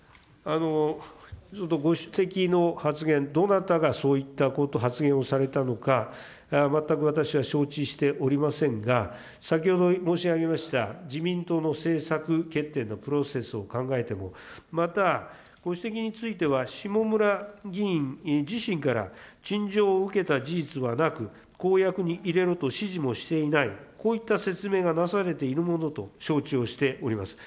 ちょっとご指摘の発言、どなたがそういったことを発言をされたのか、全く私は承知しておりませんが、先ほど申し上げました、自民党の政策決定のプロセスを考えても、また、ご指摘については、下村議員自身から、陳情を受けた事実はなく、公約に入れろと指示もしていない、こういった説明がなされているものと承知をしております。